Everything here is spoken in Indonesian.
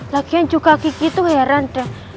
lagian juga kiki tuh heran deh